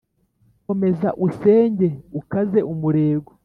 komeza usenge ukaze umurego